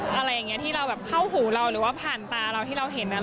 อะไรอย่างนี้ที่เราแบบเข้าหูเราหรือว่าผ่านตาเราที่เราเห็น